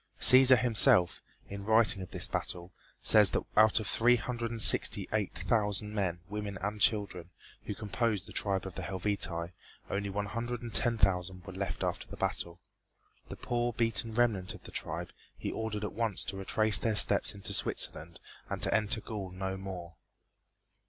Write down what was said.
Cæsar himself, in writing of this battle, says that out of three hundred and sixty eight thousand men, women and children, who composed the tribe of the Helvetii, only one hundred and ten thousand were left after the battle. The poor beaten remnant of the tribe he ordered at once to retrace their steps into Switzerland and to enter Gaul no more.